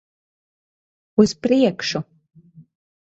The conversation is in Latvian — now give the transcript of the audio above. Uz priekšu!